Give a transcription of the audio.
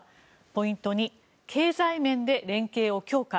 ポイント２経済面で連携を強化。